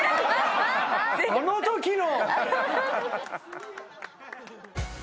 あのときの！